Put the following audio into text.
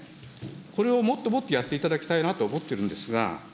これをもっともっとやっていただきたいなと思ってるんですが、